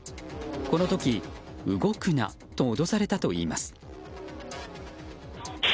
この時動くなと脅されたといいます。